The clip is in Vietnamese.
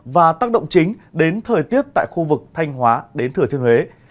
và tác động chính đến thời tiết tại khu vực thanh hóa đến thừa thiên huế